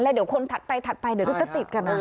เดี๋ยวคนถัดไปเดี๋ยวจะติดกันนะ